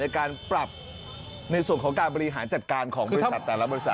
การปรับในส่วนของการบริหารจัดการของบริษัทแต่ละบริษัท